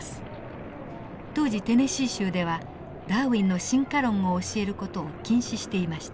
当時テネシー州ではダーウィンの進化論を教える事を禁止していました。